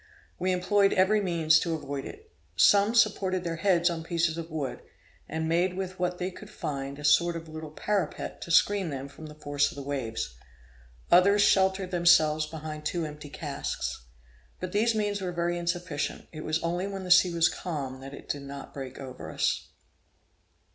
We employed every means to avoid it. Some supported their heads on pieces of wood, and made with what they could find a sort of little parapet to screen them from the force of the waves; others sheltered themselves behind two empty casks. But these means were very insufficient: it was only when the sea was calm that it did not break over us.